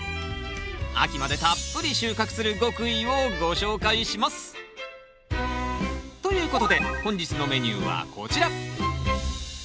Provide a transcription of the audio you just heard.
秋までたっぷり収穫する極意をご紹介します！ということで本日のメニューはこちら。